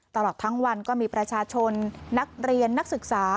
ตลอดทั้งวันก็มีประชาชนนักเรียนนักศึกษา